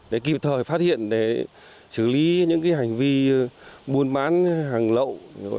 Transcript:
để kịp thời phát hiện để xử lý những hành vi buôn bán hàng lậu